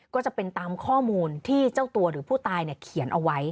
ก็จะเป็นตามข้อมูลที่เจ้าตัวหรือผู้ตายเขียนเอาไว้